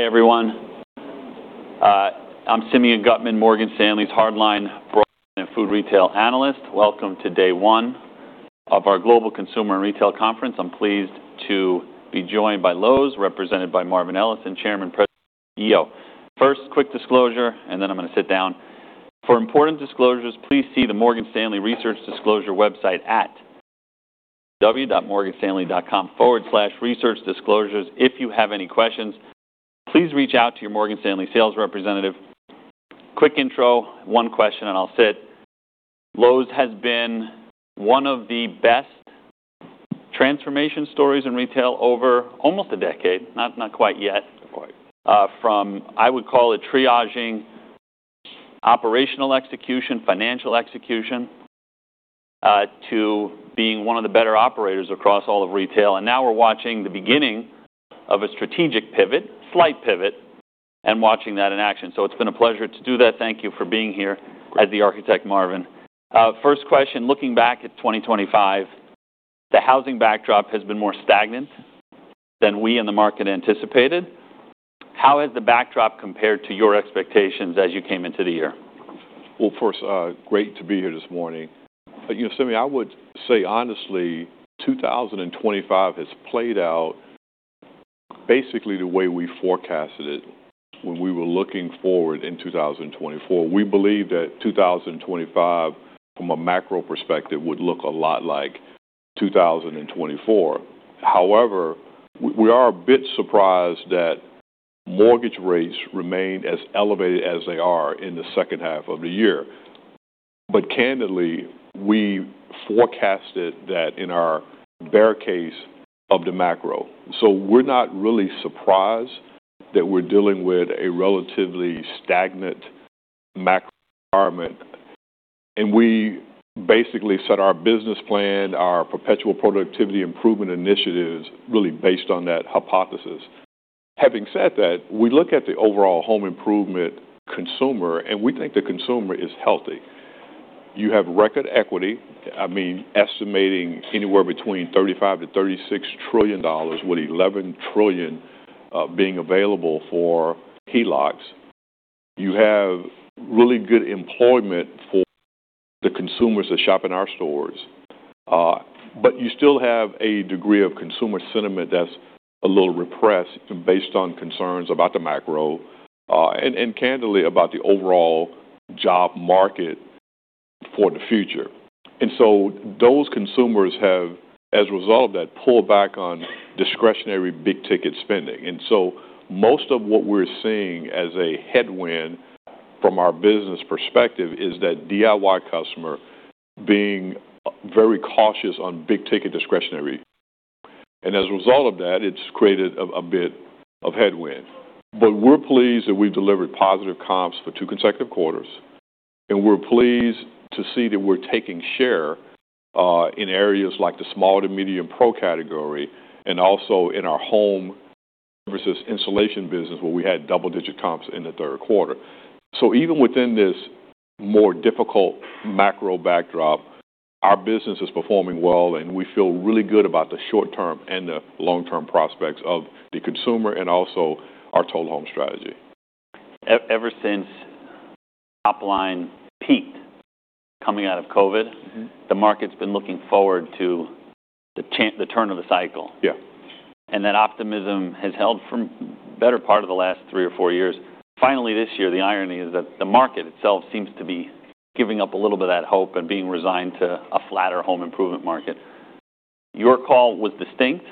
Hi everyone. I'm Simeon Gutman, Morgan Stanley's hardline broadcast and food retail analyst. Welcome to day one of our Global Consumer and Retail Conference. I'm pleased to be joined by Lowe's, represented by Marvin Ellison, Chairman, President, and CEO. First, quick disclosure, and then I'm gonna sit down. For important disclosures, please see the Morgan Stanley Research Disclosure website at www.morganstanley.com/researchdisclosures. If you have any questions, please reach out to your Morgan Stanley sales representative. Quick intro, one question, and I'll sit. Lowe's has been one of the best transformation stories in retail over almost a decade, not, not quite yet. Not quite. From, I would call it triaging, operational execution, financial execution, to being one of the better operators across all of retail. Now we're watching the beginning of a strategic pivot, slight pivot, and watching that in action. It's been a pleasure to do that. Thank you for being here. Great. As the architect, Marvin. First question, looking back at 2025, the housing backdrop has been more stagnant than we in the market anticipated. How has the backdrop compared to your expectations as you came into the year? Great to be here this morning. You know, Simeon, I would say honestly, 2025 has played out basically the way we forecasted it when we were looking forward in 2024. We believe that 2025, from a macro perspective, would look a lot like 2024. However, we are a bit surprised that mortgage rates remain as elevated as they are in the second half of the year. Candidly, we forecasted that in our better case of the macro. We are not really surprised that we are dealing with a relatively stagnant macro environment. We basically set our business plan, our perpetual productivity improvement initiatives, really based on that hypothesis. Having said that, we look at the overall home improvement consumer, and we think the consumer is healthy. You have record equity, I mean, estimating anywhere between $35 trillion-$36 trillion with $11 trillion being available for HELOCs. You have really good employment for the consumers that shop in our stores, but you still have a degree of consumer sentiment that's a little repressed based on concerns about the macro, and, candidly, about the overall job market for the future. Those consumers have, as a result of that, pulled back on discretionary big-ticket spending. Most of what we're seeing as a headwind from our business perspective is that DIY customer being very cautious on big-ticket discretionary. As a result of that, it's created a bit of headwind. We're pleased that we've delivered positive comps for two consecutive quarters. We're pleased to see that we're taking share in areas like the small to medium pro category and also in our home services insulation business where we had double-digit comps in the third quarter. Even within this more difficult macro backdrop, our business is performing well, and we feel really good about the short-term and the long-term prospects of the consumer and also our total home strategy. Ever since top line peaked coming out of COVID. Mm-hmm. The market's been looking forward to the turn of the cycle. Yeah. That optimism has held for the better part of the last three or four years. Finally this year, the irony is that the market itself seems to be giving up a little bit of that hope and being resigned to a flatter home improvement market. Your call was distinct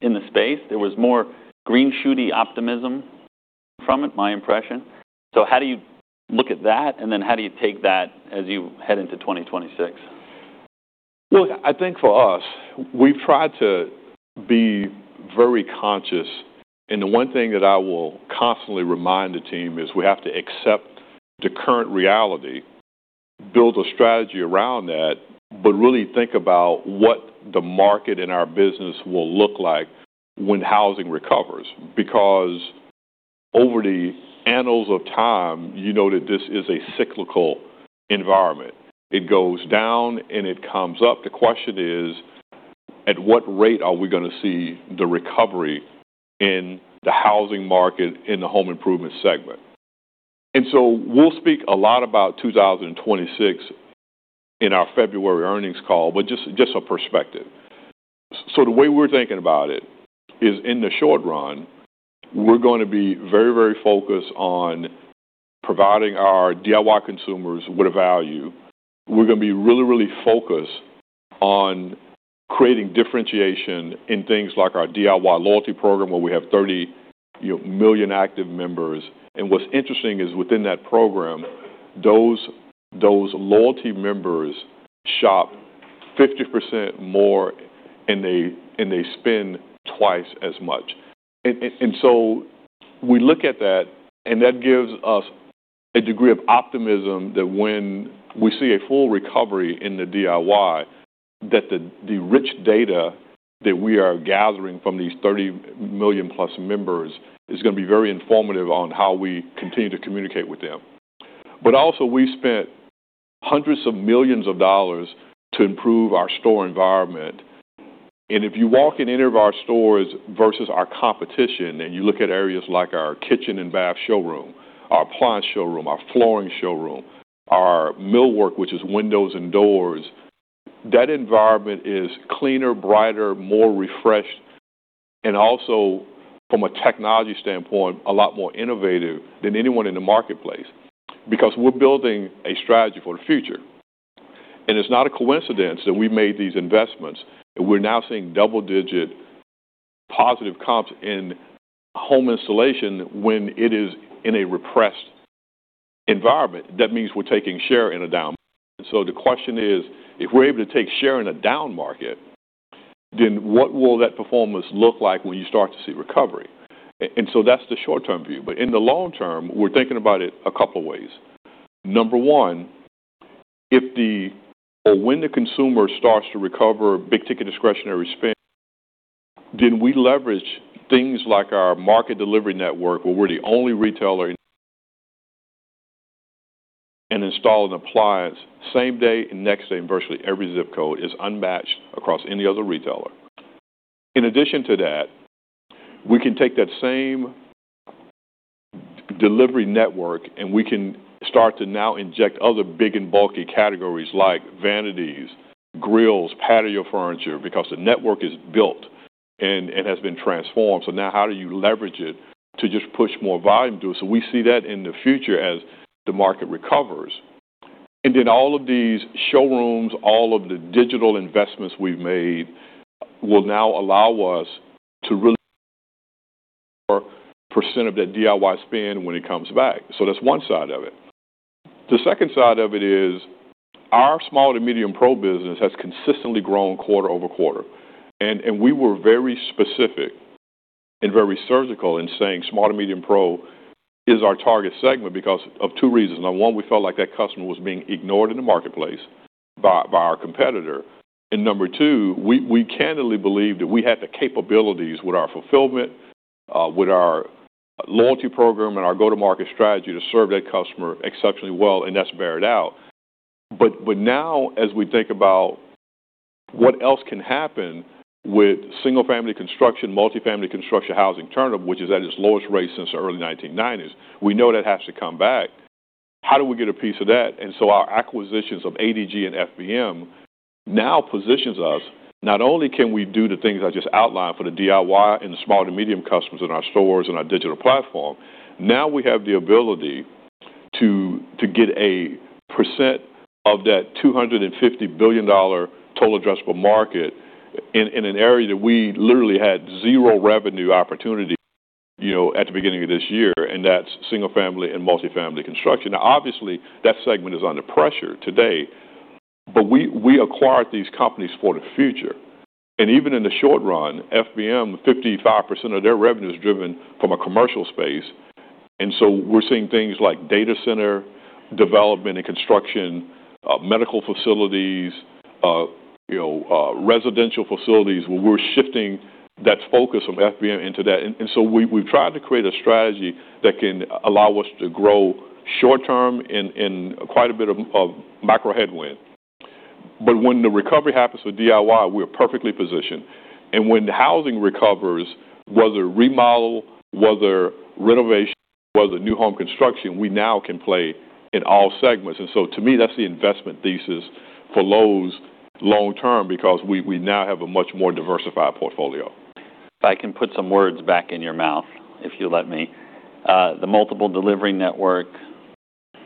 in the space. There was more green-shooty optimism from it, my impression. How do you look at that, and then how do you take that as you head into 2026? Look, I think for us, we've tried to be very conscious. The one thing that I will constantly remind the team is we have to accept the current reality, build a strategy around that, but really think about what the market and our business will look like when housing recovers. Because over the annals of time, you know that this is a cyclical environment. It goes down and it comes up. The question is, at what rate are we gonna see the recovery in the housing market in the home improvement segment? We'll speak a lot about 2026 in our February earnings call, but just a perspective. The way we're thinking about it is in the short run, we're gonna be very, very focused on providing our DIY consumers with a value. We're gonna be really, really focused on creating differentiation in things like our DIY loyalty program where we have 30, you know, million active members. What's interesting is within that program, those, those loyalty members shop 50% more, and they spend twice as much. We look at that, and that gives us a degree of optimism that when we see a full recovery in the DIY, the rich data that we are gathering from these 30 million-plus members is gonna be very informative on how we continue to communicate with them. We spent hundreds of millions of dollars to improve our store environment. If you walk in any of our stores versus our competition, and you look at areas like our kitchen and bath showroom, our appliance showroom, our flooring showroom, our millwork, which is windows and doors, that environment is cleaner, brighter, more refreshed, and also from a technology standpoint, a lot more innovative than anyone in the marketplace. We are building a strategy for the future. It is not a coincidence that we made these investments, and we are now seeing double-digit positive comps in home insulation when it is in a repressed environment. That means we are taking share in a down. The question is, if we are able to take share in a down market, then what will that performance look like when you start to see recovery? That is the short-term view. In the long term, we are thinking about it a couple of ways. Number one, if or when the consumer starts to recover big-ticket discretionary spend, then we leverage things like our market delivery network where we're the only retailer in and install an appliance same day and next day, and virtually every zip code is unmatched across any other retailer. In addition to that, we can take that same delivery network, and we can start to now inject other big and bulky categories like vanities, grills, patio furniture, because the network is built and has been transformed. Now, how do you leverage it to just push more volume to it? We see that in the future as the market recovers. All of these showrooms, all of the digital investments we've made will now allow us to really more percent of that DIY spend when it comes back. That's one side of it. The second side of it is our small to medium pro business has consistently grown quarter over quarter. We were very specific and very surgical in saying small to medium pro is our target segment because of two reasons. Number one, we felt like that customer was being ignored in the marketplace by our competitor. Number two, we candidly believe that we have the capabilities with our fulfillment, with our loyalty program and our go-to-market strategy to serve that customer exceptionally well, and that's beared out. Now as we think about what else can happen with single-family construction, multifamily construction, housing turnover, which is at its lowest rate since the early 1990s, we know that has to come back. How do we get a piece of that? Our acquisitions of ADG and FBM now position us not only to do the things I just outlined for the DIY and the small to medium customers in our stores and our digital platform, now we have the ability to get a percent of that $250 billion total addressable market in an area that we literally had zero revenue opportunity, you know, at the beginning of this year, and that's single-family and multifamily construction. Obviously, that segment is under pressure today, but we acquired these companies for the future. Even in the short run, FBM, 55% of their revenue is driven from a commercial space. We are seeing things like data center development and construction, medical facilities, residential facilities where we are shifting that focus from FBM into that. We have tried to create a strategy that can allow us to grow short term in quite a bit of macro headwind. When the recovery happens for DIY, we are perfectly positioned. When housing recovers, whether remodel, whether renovation, whether new home construction, we now can play in all segments. To me, that is the investment thesis for Lowe's long term because we now have a much more diversified portfolio. If I can put some words back in your mouth, if you let me. The multiple delivery network,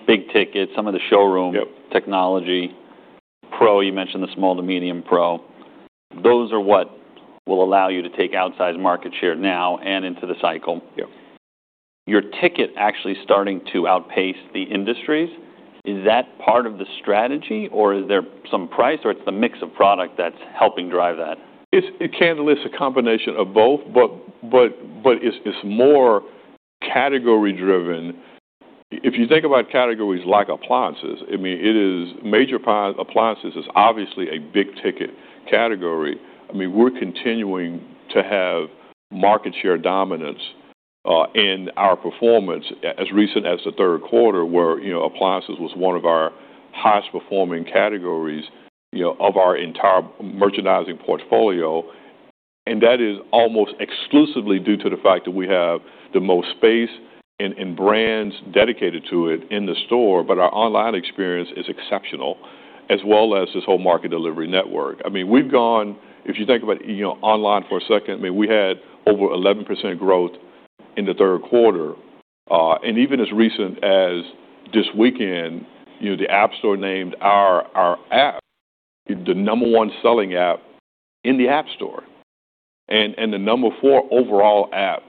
big-ticket, some of the showroom. Yep. Technology, Pro, you mentioned the small to medium Pro. Those are what will allow you to take outsized market share now and into the cycle. Yep. Your ticket actually starting to outpace the industries. Is that part of the strategy, or is there some price, or it's the mix of product that's helping drive that? It can't elicit a combination of both, but it's more category-driven. If you think about categories like appliances, I mean, major appliances is obviously a big-ticket category. I mean, we're continuing to have market share dominance in our performance as recent as the third quarter where, you know, appliances was one of our highest-performing categories of our entire merchandising portfolio. That is almost exclusively due to the fact that we have the most space and brands dedicated to it in the store, but our online experience is exceptional, as well as this whole market delivery network. I mean, we've gone, if you think about online for a second, I mean, we had over 11% growth in the third quarter. Even as recent as this weekend, you know, the App Store named our app the number one selling app in the App Store, and the number four overall app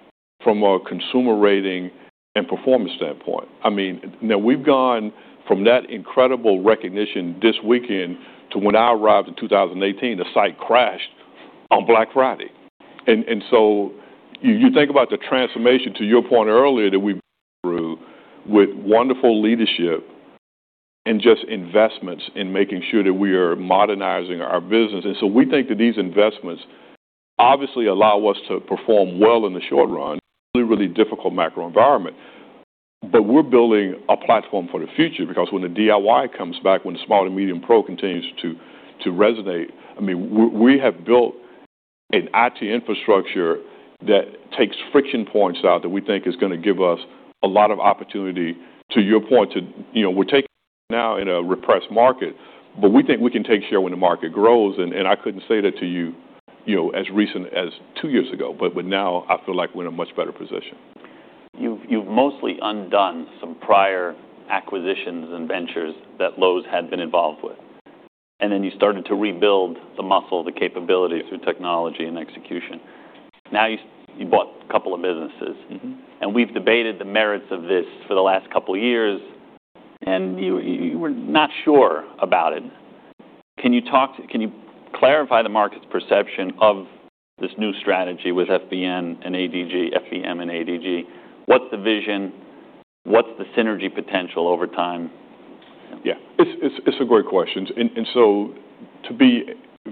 from a consumer rating and performance standpoint. I mean, now we've gone from that incredible recognition this weekend to when I arrived in 2018, the site crashed on Black Friday. You think about the transformation to your point earlier that we've been through with wonderful leadership and just investments in making sure that we are modernizing our business. We think that these investments obviously allow us to perform well in the short run. Really, really difficult macro environment. We're building a platform for the future because when the DIY comes back, when the small to medium pro continues to, to resonate, I mean, we have built an IT infrastructure that takes friction points out that we think is gonna give us a lot of opportunity to your point to, you know, we're taking now in a repressed market, but we think we can take share when the market grows. I couldn't say that to you, you know, as recent as two years ago, but now I feel like we're in a much better position. You've mostly undone some prior acquisitions and ventures that Lowe's had been involved with. You started to rebuild the muscle, the capability through technology and execution. Now you bought a couple of businesses. Mm-hmm. We've debated the merits of this for the last couple of years, and you were not sure about it. Can you clarify the market's perception of this new strategy with FBM and ADG? What's the vision? What's the synergy potential over time? Yeah. It's a great question. And to be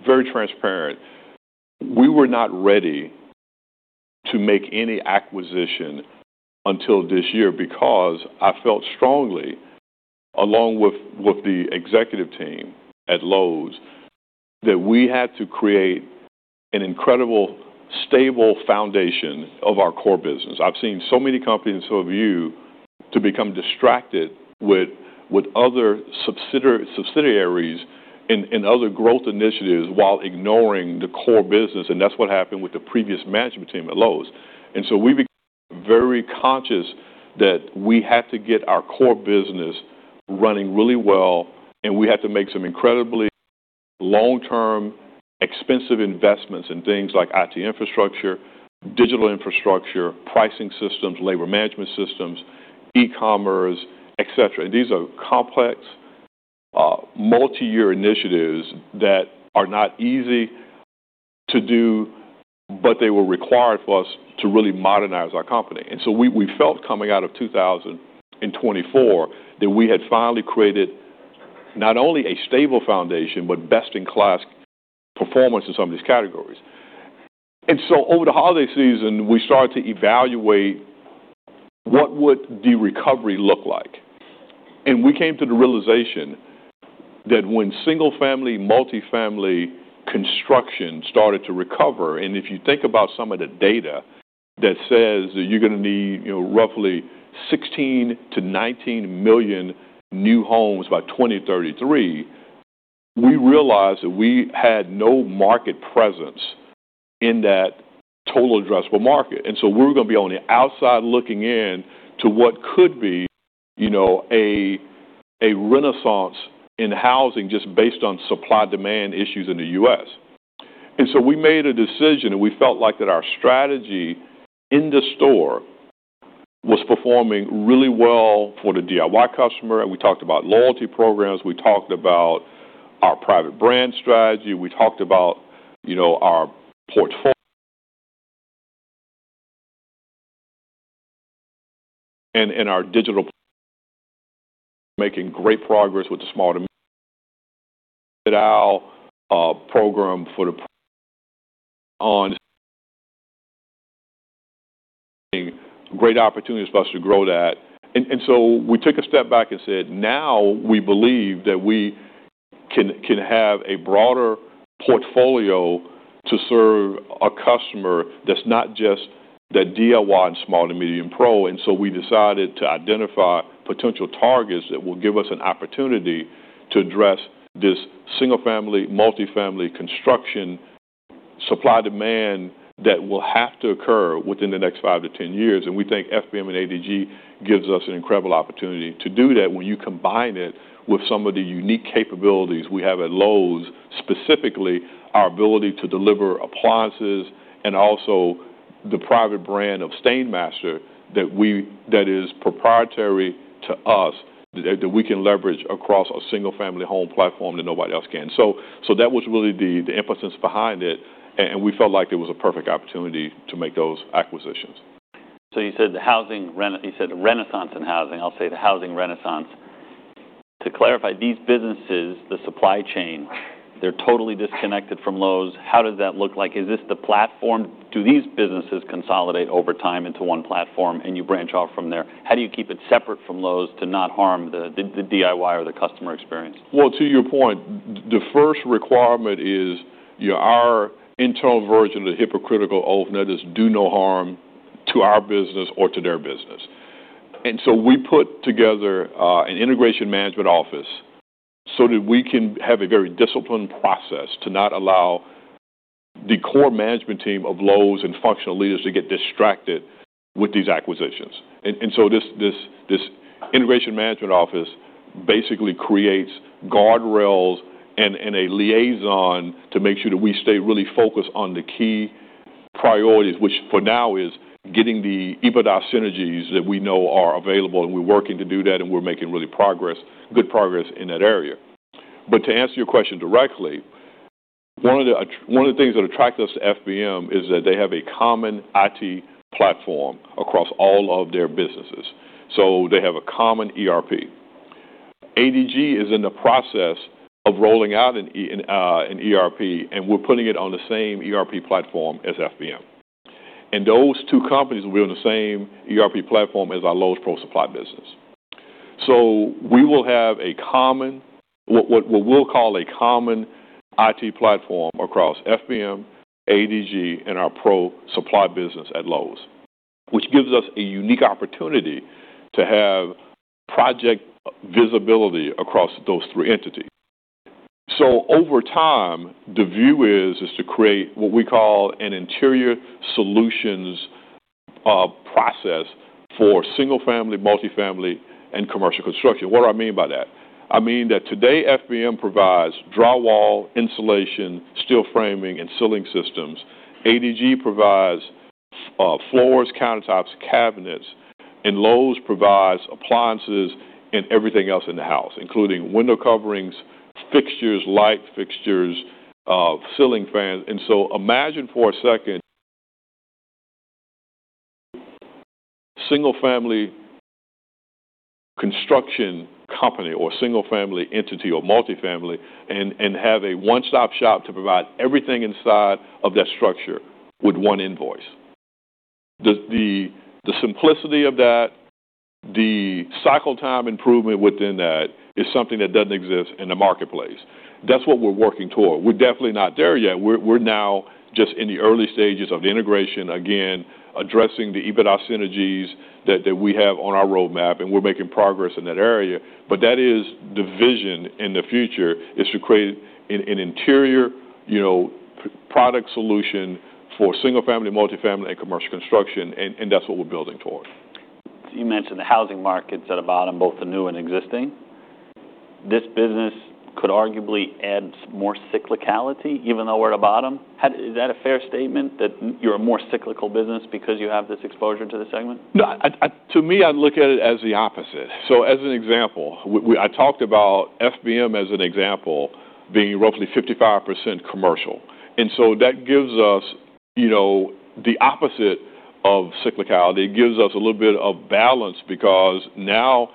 very transparent, we were not ready to make any acquisition until this year because I felt strongly, along with the executive team at Lowe's, that we had to create an incredibly stable foundation of our core business. I've seen so many companies and so many of you become distracted with other subsidiaries and other growth initiatives while ignoring the core business. That's what happened with the previous management team at Lowe's. We became very conscious that we had to get our core business running really well, and we had to make some incredibly long-term, expensive investments in things like IT infrastructure, digital infrastructure, pricing systems, labor management systems, e-commerce, etc. These are complex, multi-year initiatives that are not easy to do, but they were required for us to really modernize our company. We felt coming out of 2024 that we had finally created not only a stable foundation, but best-in-class performance in some of these categories. Over the holiday season, we started to evaluate what would the recovery look like. We came to the realization that when single-family, multifamily construction started to recover, and if you think about some of the data that says that you're gonna need, you know, roughly 16-19 million new homes by 2033, we realized that we had no market presence in that total addressable market. We're gonna be on the outside looking in to what could be, you know, a renaissance in housing just based on supply-demand issues in the U.S. We made a decision, and we felt like that our strategy in the store was performing really well for the DIY customer. We talked about loyalty programs. We talked about our private brand strategy. We talked about, you know, our portfolio and our digital making great progress with the small to medium program for the on great opportunities for us to grow that. We took a step back and said, "Now we believe that we can have a broader portfolio to serve a customer that's not just that DIY and small to medium pro." We decided to identify potential targets that will give us an opportunity to address this single-family, multifamily construction supply-demand that will have to occur within the next 5 to 10 years. We think FBM and ADG gives us an incredible opportunity to do that when you combine it with some of the unique capabilities we have at Lowe's, specifically our ability to deliver appliances and also the private brand of STAINMASTER that is proprietary to us that we can leverage across a single-family home platform that nobody else can. That was really the emphasis behind it. We felt like it was a perfect opportunity to make those acquisitions. You said the renaissance in housing. I'll say the housing renaissance. To clarify, these businesses, the supply chain, they're totally disconnected from Lowe's. How does that look like? Is this the platform? Do these businesses consolidate over time into one platform and you branch off from there? How do you keep it separate from Lowe's to not harm the DIY or the customer experience? To your point, the first requirement is, you know, our internal version of the Hippocratic oath, and that is do no harm to our business or to their business. We put together an integration management office so that we can have a very disciplined process to not allow the core management team of Lowe's and functional leaders to get distracted with these acquisitions. This integration management office basically creates guardrails and a liaison to make sure that we stay really focused on the key priorities, which for now is getting the EBITDA synergies that we know are available. We are working to do that, and we're making really good progress in that area. To answer your question directly, one of the things that attracted us to FBM is that they have a common IT platform across all of their businesses. They have a common ERP. ADG is in the process of rolling out an ERP, and we're putting it on the same ERP platform as FBM. Those two companies will be on the same ERP platform as our Lowe's Pro Supply business. We will have a common, what we'll call a common IT platform across FBM, ADG, and our Pro Supply business at Lowe's, which gives us a unique opportunity to have project visibility across those three entities. Over time, the view is to create what we call an interior solutions process for single-family, multifamily, and commercial construction. What do I mean by that? I mean that today FBM provides drywall, insulation, steel framing, and ceiling systems. ADG provides floors, countertops, cabinets, and Lowe's provides appliances and everything else in the house, including window coverings, fixtures, light fixtures, ceiling fans. Imagine for a second single-family construction company or single-family entity or multifamily and have a one-stop shop to provide everything inside of that structure with one invoice. The simplicity of that, the cycle time improvement within that is something that does not exist in the marketplace. That is what we are working toward. We are definitely not there yet. We are now just in the early stages of the integration, again, addressing the EBITDA synergies that we have on our roadmap, and we are making progress in that area. That is the vision in the future, to create an interior, you know, product solution for single-family, multifamily, and commercial construction. That's what we're building toward. You mentioned the housing market's at a bottom, both the new and existing. This business could arguably add more cyclicality even though we're at a bottom. How is that a fair statement that you're a more cyclical business because you have this exposure to the segment? No, I, I, to me, I look at it as the opposite. As an example, we, we, I talked about FBM as an example being roughly 55% commercial. That gives us, you know, the opposite of cyclicality. It gives us a little bit of balance because now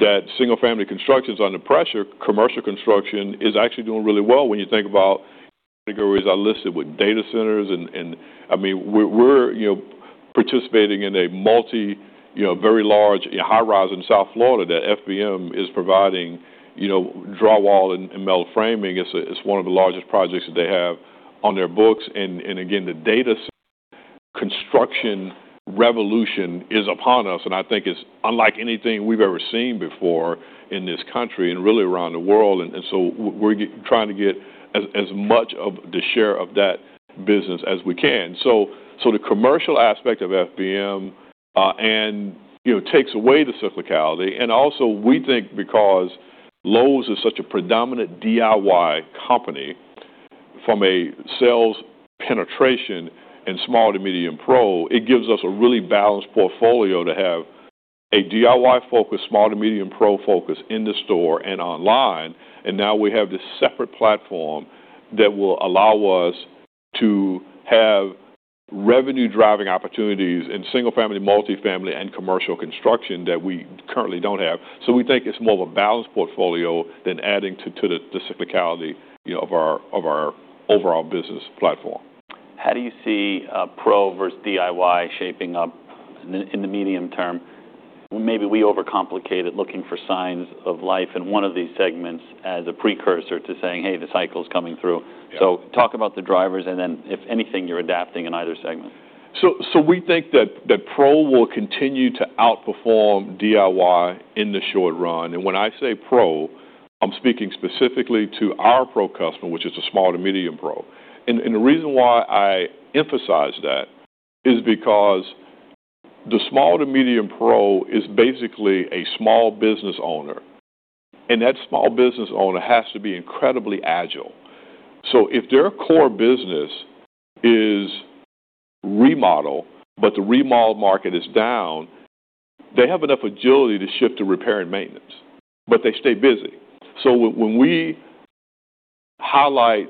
that single-family construction's under pressure, commercial construction is actually doing really well when you think about categories I listed with data centers. I mean, we're, we're, you know, participating in a multi, you know, very large, you know, high rise in South Florida that FBM is providing, you know, drywall and, and metal framing. It's one of the largest projects that they have on their books. Again, the data construction revolution is upon us. I think it's unlike anything we've ever seen before in this country and really around the world. We're trying to get as much of the share of that business as we can. The commercial aspect of FBM, you know, takes away the cyclicality. We think because Lowe's is such a predominant DIY company from a sales penetration and small to medium pro, it gives us a really balanced portfolio to have a DIY focus, small to medium pro focus in the store and online. Now we have this separate platform that will allow us to have revenue-driving opportunities in single-family, multifamily, and commercial construction that we currently don't have. We think it's more of a balanced portfolio than adding to the cyclicality, you know, of our overall business platform. How do you see Pro versus DIY shaping up in the medium term? Maybe we overcomplicate it looking for signs of life in one of these segments as a precursor to saying, "Hey, the cycle's coming through." Talk about the drivers and then if anything, you're adapting in either segment. We think that Pro will continue to outperform DIY in the short run. When I say Pro, I'm speaking specifically to our Pro customer, which is the small to medium pro. The reason why I emphasize that is because the small to medium pro is basically a small business owner. That small business owner has to be incredibly agile. If their core business is remodel, but the remodel market is down, they have enough agility to shift to repair and maintenance, but they stay busy. When we highlight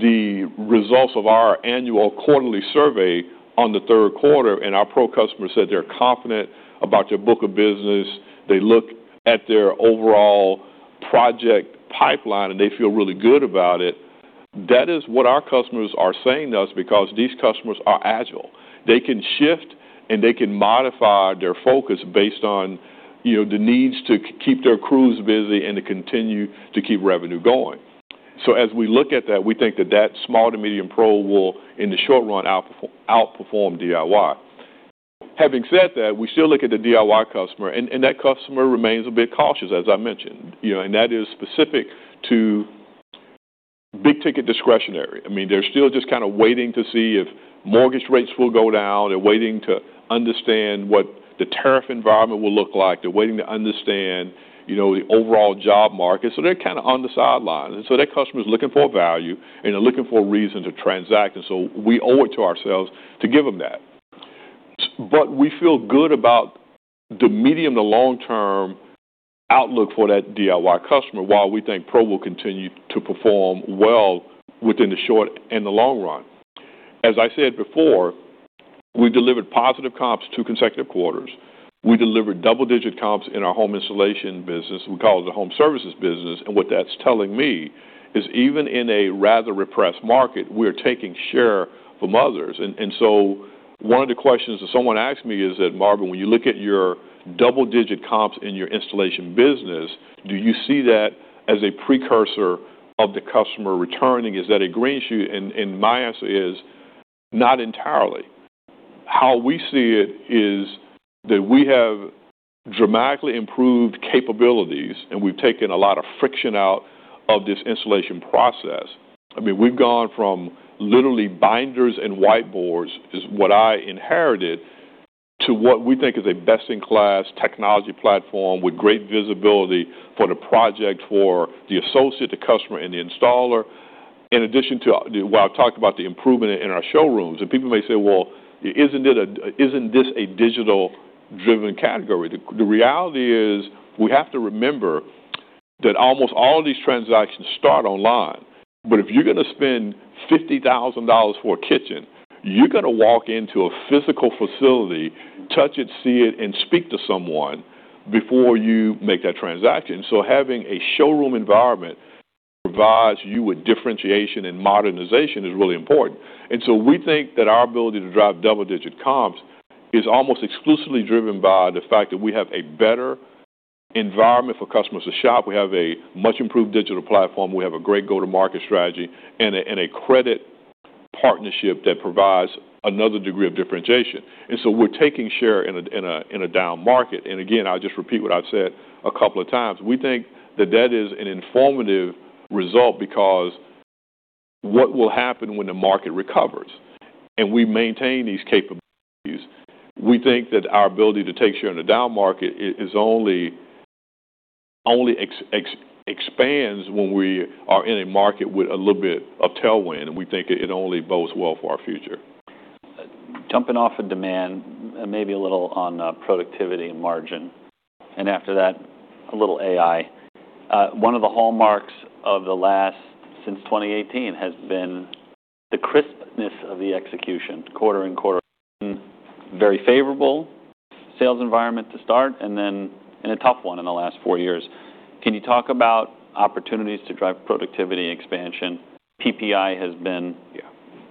the results of our annual quarterly survey on the third quarter and our Pro customers said they're confident about their book of business, they look at their overall project pipeline and they feel really good about it, that is what our customers are saying to us because these customers are agile. They can shift and they can modify their focus based on, you know, the needs to keep their crews busy and to continue to keep revenue going. As we look at that, we think that that small to medium pro will, in the short run, outperform DIY. Having said that, we still look at the DIY customer. And that customer remains a bit cautious, as I mentioned, you know, and that is specific to big-ticket discretionary. I mean, they're still just kind of waiting to see if mortgage rates will go down. They're waiting to understand what the tariff environment will look like. They're waiting to understand, you know, the overall job market. They're kind of on the sidelines. That customer's looking for value, and they're looking for a reason to transact. We owe it to ourselves to give them that. We feel good about the medium to long-term outlook for that DIY customer while we think Pro will continue to perform well within the short and the long run. As I said before, we've delivered positive comps two consecutive quarters. We delivered double-digit comps in our home installation business. We call it the home services business. What that's telling me is even in a rather repressed market, we're taking share from others. One of the questions that someone asked me is, "Marvin, when you look at your double-digit comps in your installation business, do you see that as a precursor of the customer returning? Is that a green shoot?" My answer is not entirely. How we see it is that we have dramatically improved capabilities, and we've taken a lot of friction out of this installation process. I mean, we've gone from literally binders and whiteboards, is what I inherited, to what we think is a best-in-class technology platform with great visibility for the project, for the associate, the customer, and the installer. In addition to, while I've talked about the improvement in our showrooms, and people may say, "Well, isn't it a, isn't this a digital-driven category?" The reality is we have to remember that almost all of these transactions start online. If you're gonna spend $50,000 for a kitchen, you're gonna walk into a physical facility, touch it, see it, and speak to someone before you make that transaction. Having a showroom environment that provides you with differentiation and modernization is really important. We think that our ability to drive double-digit comps is almost exclusively driven by the fact that we have a better environment for customers to shop. We have a much-improved digital platform. We have a great go-to-market strategy and a credit partnership that provides another degree of differentiation. We are taking share in a down market. I will just repeat what I have said a couple of times. We think that is an informative result because what will happen when the market recovers and we maintain these capabilities? We think that our ability to take share in a down market only expands when we are in a market with a little bit of tailwind. We think it only bodes well for our future. Jumping off of demand and maybe a little on productivity and margin. After that, a little AI. One of the hallmarks of the last, since 2018, has been the crispness of the execution, quarter and quarter, very favorable sales environment to start and then in a tough one in the last four years. Can you talk about opportunities to drive productivity expansion? PPI has been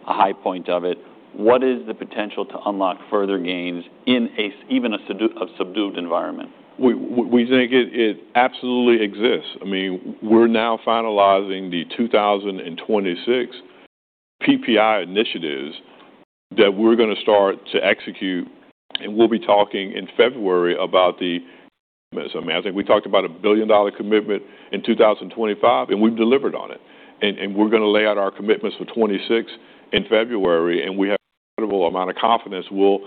a high point of it. What is the potential to unlock further gains in a, even a subdued, a subdued environment? We think it absolutely exists. I mean, we're now finalizing the 2026 PPI initiatives that we're gonna start to execute. We'll be talking in February about the commitments. I mean, I think we talked about a billion-dollar commitment in 2025, and we've delivered on it. We're gonna lay out our commitments for 2026 in February. We have an incredible amount of confidence we'll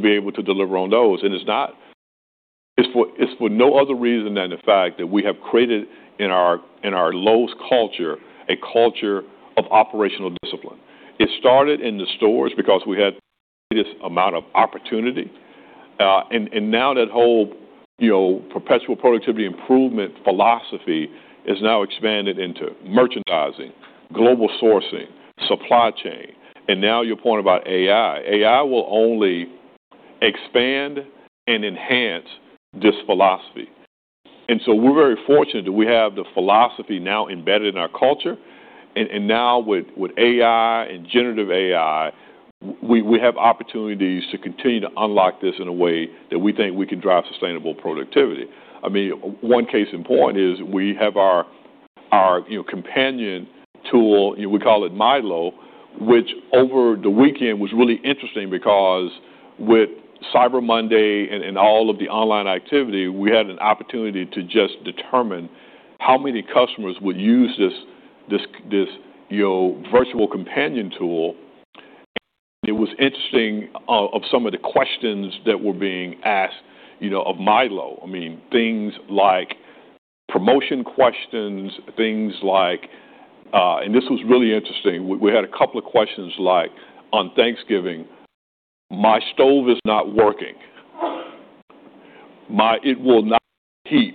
be able to deliver on those. It's for no other reason than the fact that we have created in our Lowe's culture a culture of operational discipline. It started in the stores because we had the greatest amount of opportunity, and now that whole, you know, perpetual productivity improvement philosophy is now expanded into merchandising, global sourcing, supply chain. Your point about AI, AI will only expand and enhance this philosophy. We are very fortunate that we have the philosophy now embedded in our culture. Now with AI and generative AI, we have opportunities to continue to unlock this in a way that we think we can drive sustainable productivity. I mean, one case in point is we have our, you know, companion tool, you know, we call it Milo, which over the weekend was really interesting because with Cyber Monday and all of the online activity, we had an opportunity to just determine how many customers would use this, you know, virtual companion tool. It was interesting, some of the questions that were being asked, you know, of Milo. I mean, things like promotion questions, things like, and this was really interesting. We had a couple of questions like on Thanksgiving, "My stove is not working. It will not heat.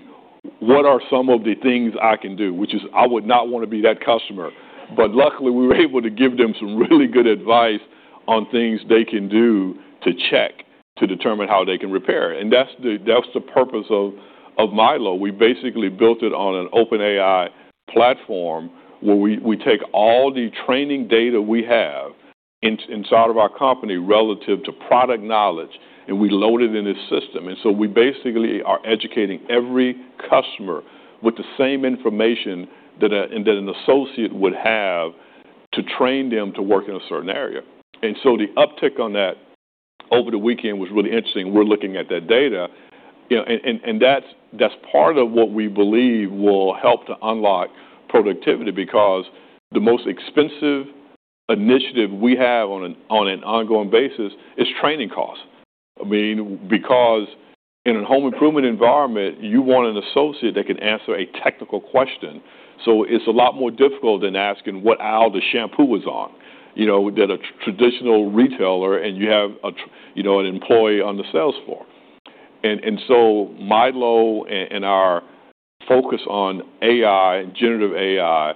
What are some of the things I can do?" Which is, I would not want to be that customer. Luckily, we were able to give them some really good advice on things they can do to check to determine how they can repair it. That is the purpose of Milo. We basically built it on an OpenAI platform where we take all the training data we have inside of our company relative to product knowledge, and we load it in this system. We basically are educating every customer with the same information that an associate would have to train them to work in a certain area. The uptick on that over the weekend was really interesting. We're looking at that data, you know, and that's part of what we believe will help to unlock productivity because the most expensive initiative we have on an ongoing basis is training costs. I mean, because in a home improvement environment, you want an associate that can answer a technical question. So it's a lot more difficult than asking what aisle the shampoo is on, you know, than a traditional retailer and you have a, you know, an employee on the sales floor. Milo and our focus on AI, generative AI,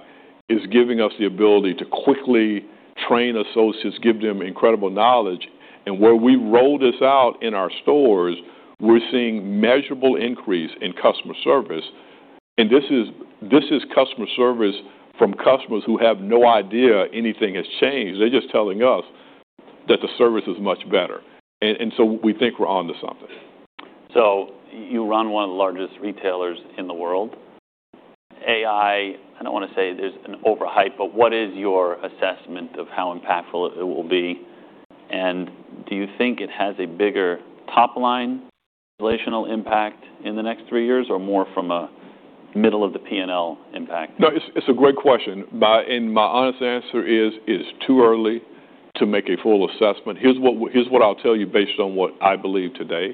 is giving us the ability to quickly train associates, give them incredible knowledge. Where we roll this out in our stores, we're seeing measurable increase in customer service. This is customer service from customers who have no idea anything has changed. They're just telling us that the service is much better, and so we think we're onto something. You run one of the largest retailers in the world. AI, I don't wanna say there's an overhype, but what is your assessment of how impactful it will be? Do you think it has a bigger top-line relational impact in the next three years or more from a middle-of-the-P&L impact? No, it's a great question. My, and my honest answer is, it's too early to make a full assessment. Here's what, here's what I'll tell you based on what I believe today.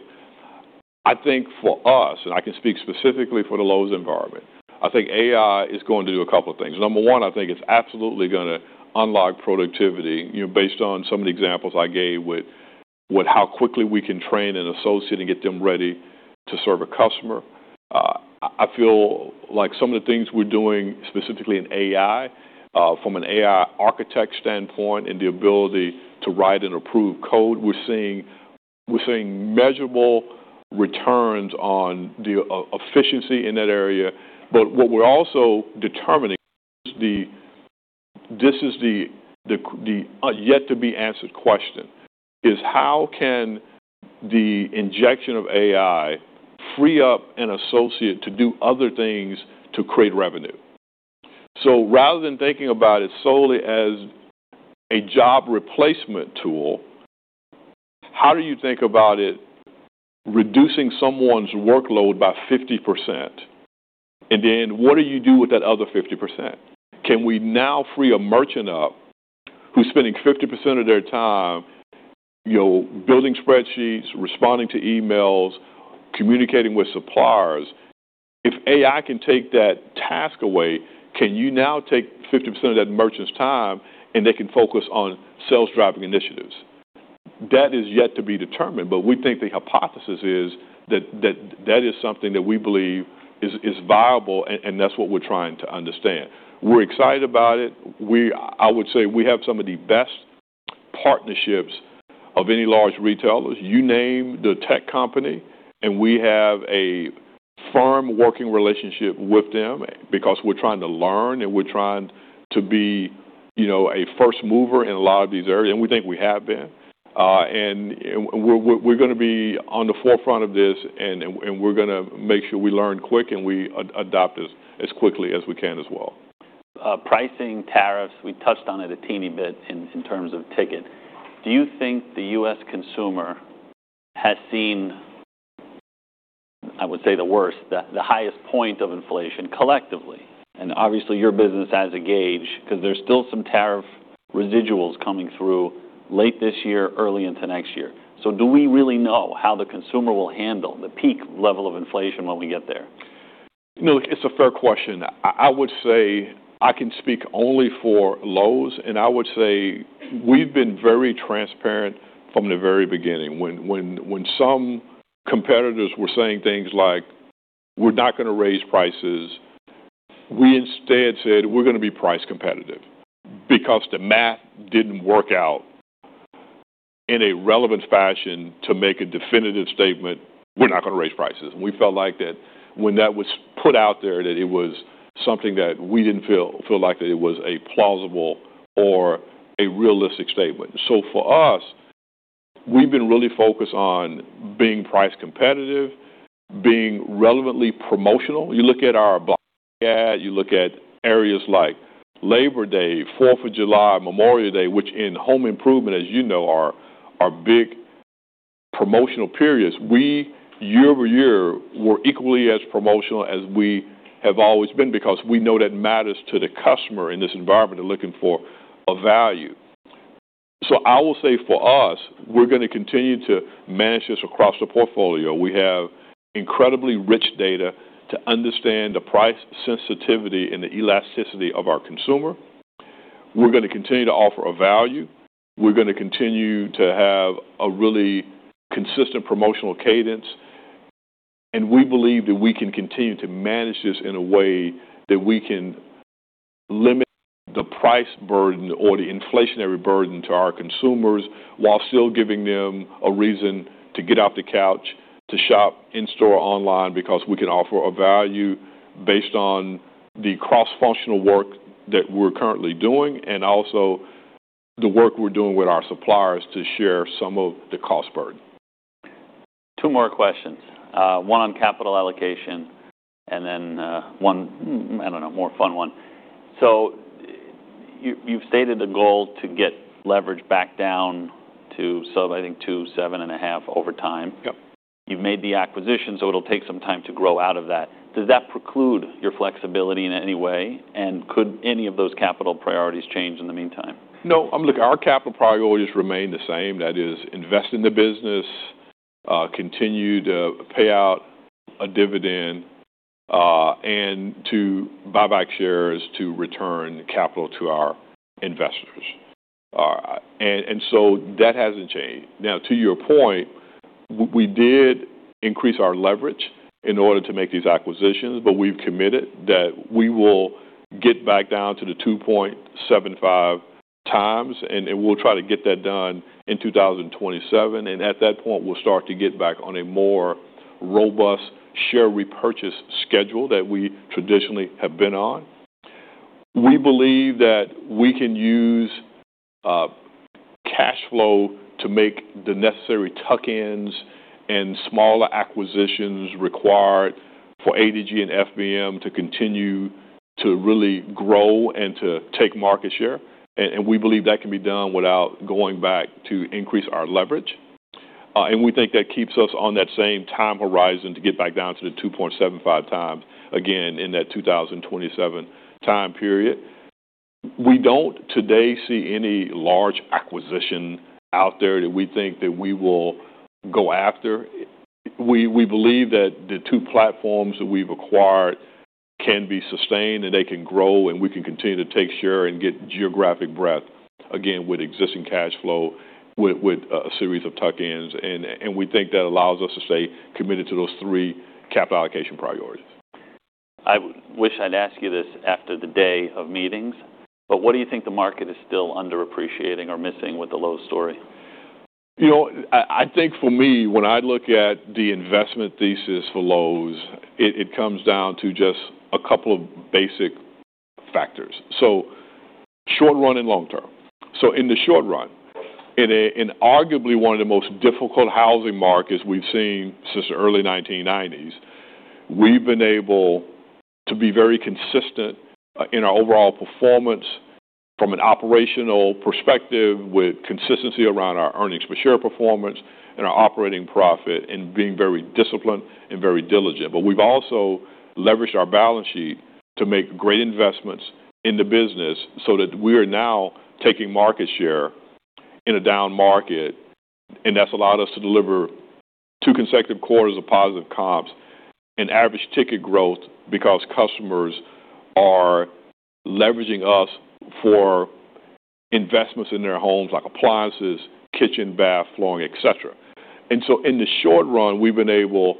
I think for us, and I can speak specifically for the Lowe's environment, I think AI is going to do a couple of things. Number one, I think it's absolutely gonna unlock productivity, you know, based on some of the examples I gave with, with how quickly we can train an associate and get them ready to serve a customer. I feel like some of the things we're doing specifically in AI, from an AI architect standpoint and the ability to write and approve code, we're seeing, we're seeing measurable returns on the efficiency in that area. What we're also determining is the, this is the yet-to-be-answered question: how can the injection of AI free up an associate to do other things to create revenue? Rather than thinking about it solely as a job replacement tool, how do you think about it reducing someone's workload by 50%? Then what do you do with that other 50%? Can we now free a merchant up who's spending 50% of their time, you know, building spreadsheets, responding to emails, communicating with suppliers? If AI can take that task away, can you now take 50% of that merchant's time and they can focus on sales-driving initiatives? That is yet to be determined. We think the hypothesis is that is something that we believe is viable, and that's what we're trying to understand. We're excited about it. We, I would say we have some of the best partnerships of any large retailers. You name the tech company, and we have a firm working relationship with them because we're trying to learn and we're trying to be, you know, a first mover in a lot of these areas. We think we have been. We're gonna be on the forefront of this, and we're gonna make sure we learn quick and we adopt as quickly as we can as well. Pricing tariffs, we touched on it a teeny bit in, in terms of ticket. Do you think the U.S. consumer has seen, I would say, the worst, the highest point of inflation collectively? Obviously your business has a gauge 'cause there's still some tariff residuals coming through late this year, early into next year. Do we really know how the consumer will handle the peak level of inflation when we get there? You know, it's a fair question. I would say I can speak only for Lowe's, and I would say we've been very transparent from the very beginning. When some competitors were saying things like, "We're not gonna raise prices," we instead said, "We're gonna be price competitive" because the math didn't work out in a relevant fashion to make a definitive statement, "We're not gonna raise prices." We felt like that when that was put out there, that it was something that we didn't feel like that it was a plausible or a realistic statement. For us, we've been really focused on being price competitive, being relevantly promotional. You look at our blog ad, you look at areas like Labor Day, 4th of July, Memorial Day, which in home improvement, as you know, are big promotional periods. We, year over year, were equally as promotional as we have always been because we know that matters to the customer in this environment of looking for a value. I will say for us, we're gonna continue to manage this across the portfolio. We have incredibly rich data to understand the price sensitivity and the elasticity of our consumer. We're gonna continue to offer a value. We're gonna continue to have a really consistent promotional cadence. We believe that we can continue to manage this in a way that we can limit the price burden or the inflationary burden to our consumers while still giving them a reason to get off the couch to shop in store online because we can offer a value based on the cross-functional work that we're currently doing and also the work we're doing with our suppliers to share some of the cost burden. Two more questions. One on capital allocation and then, one, I don't know, more fun one. So you've stated a goal to get leverage back down to sub, I think, two, seven and a half over time. Yep. You've made the acquisition, so it'll take some time to grow out of that. Does that preclude your flexibility in any way? Could any of those capital priorities change in the meantime? No, I'm looking, our capital priorities remain the same. That is invest in the business, continue to pay out a dividend, and to buy back shares to return capital to our investors. That hasn't changed. Now, to your point, we did increase our leverage in order to make these acquisitions, but we've committed that we will get back down to the 2.75 times, and we'll try to get that done in 2027. At that point, we'll start to get back on a more robust share repurchase schedule that we traditionally have been on. We believe that we can use cash flow to make the necessary tuck-ins and smaller acquisitions required for ADG and FBM to continue to really grow and to take market share. We believe that can be done without going back to increase our leverage. We think that keeps us on that same time horizon to get back down to the 2.75 times again in that 2027 time period. We do not today see any large acquisition out there that we think that we will go after. We believe that the two platforms that we have acquired can be sustained and they can grow, and we can continue to take share and get geographic breadth again with existing cash flow with a series of tuck-ins. We think that allows us to stay committed to those three capital allocation priorities. I wish I'd ask you this after the day of meetings, but what do you think the market is still underappreciating or missing with the Lowe's story? You know, I think for me, when I look at the investment thesis for Lowe's, it comes down to just a couple of basic factors. Short run and long term. In the short run, in arguably one of the most difficult housing markets we've seen since the early 1990s, we've been able to be very consistent in our overall performance from an operational perspective with consistency around our earnings per share performance and our operating profit and being very disciplined and very diligent. We've also leveraged our balance sheet to make great investments in the business so that we are now taking market share in a down market. That's allowed us to deliver two consecutive quarters of positive comps and average ticket growth because customers are leveraging us for investments in their homes like appliances, kitchen, bath, flooring, etc. In the short run, we've been able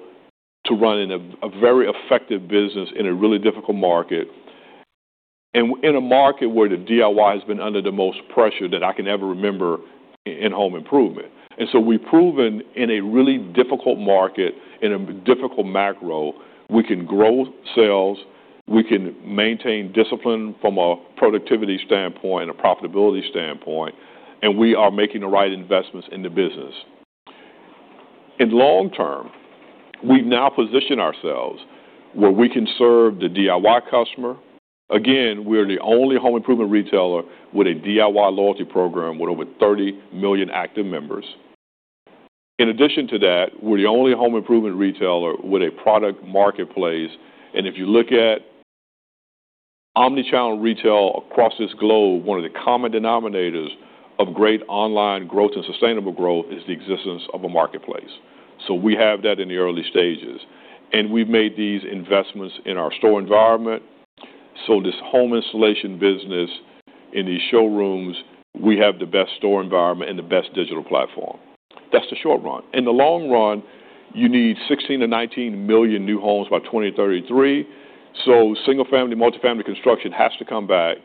to run a very effective business in a really difficult market and in a market where the DIY has been under the most pressure that I can ever remember in home improvement. We've proven in a really difficult market, in a difficult macro, we can grow sales, we can maintain discipline from a productivity standpoint, a profitability standpoint, and we are making the right investments in the business. In the long term, we've now positioned ourselves where we can serve the DIY customer. Again, we are the only home improvement retailer with a DIY loyalty program with over 30 million active members. In addition to that, we're the only home improvement retailer with a product marketplace. If you look at omnichannel retail across this globe, one of the common denominators of great online growth and sustainable growth is the existence of a marketplace. We have that in the early stages, and we've made these investments in our store environment. This home installation business in these showrooms, we have the best store environment and the best digital platform. That's the short run. In the long run, you need 16-19 million new homes by 2033. Single-family, multifamily construction has to come back.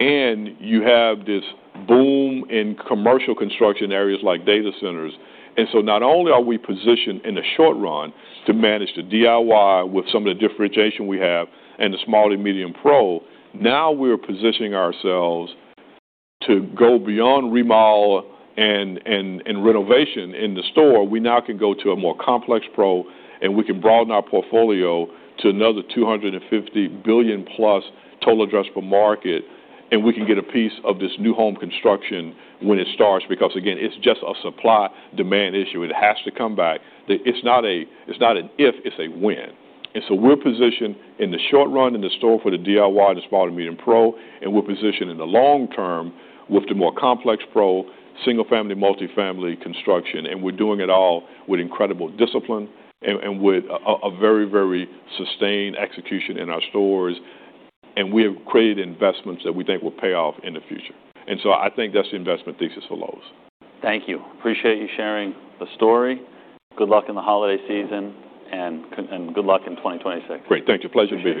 You have this boom in commercial construction areas like data centers. Not only are we positioned in the short run to manage the DIY with some of the differentiation we have and the small and medium pro, now we're positioning ourselves to go beyond remodel and renovation in the store. We now can go to a more complex pro, and we can broaden our portfolio to another $250 billion-plus total addressable market, and we can get a piece of this new home construction when it starts because, again, it's just a supply-demand issue. It has to come back. It's not a, it's not an if, it's a when. We are positioned in the short run in the store for the DIY and the small and medium pro, and we are positioned in the long term with the more complex pro, single-family, multifamily construction. We are doing it all with incredible discipline and with a very, very sustained execution in our stores. We have created investments that we think will pay off in the future. I think that's the investment thesis for Lowe's. Thank you. Appreciate you sharing the story. Good luck in the holiday season, and good luck in 2026. Great. Thank you. Pleasure to be here.